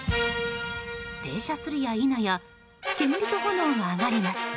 停車するやいなや煙と炎が上がります。